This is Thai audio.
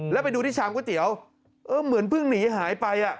แล้วไปดูที่ชามก๋วยเตี๋ยวเหมือนเพิ่งหนีหายไป